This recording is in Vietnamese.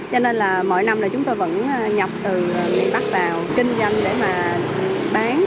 cho nên là mỗi năm là chúng tôi vẫn nhập từ miền bắc vào kinh doanh để mà bán